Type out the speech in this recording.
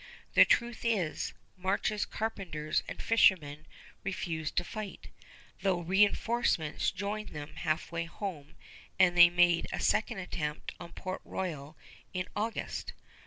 The truth is, March's carpenters and fishermen refused to fight, though reënforcements joined them halfway home and they made a second attempt on Port Royal in August.